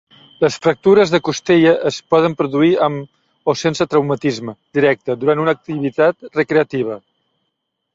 Les fractures de costella es poden produir amb o sense traumatisme directe durant una activitat recreativa.